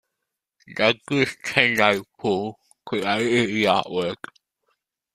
Douglas TenNapel created the artwork.